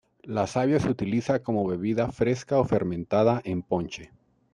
La savia se utiliza como bebida fresca o fermentada en ponche.